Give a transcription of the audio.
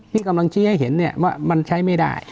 ที่กำลังชี้ให้เห็นว่ามันใช้ไม่ได้